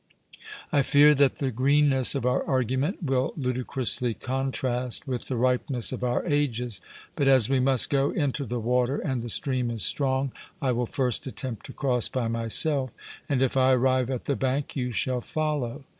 I fear that the greenness of our argument will ludicrously contrast with the ripeness of our ages. But as we must go into the water, and the stream is strong, I will first attempt to cross by myself, and if I arrive at the bank, you shall follow.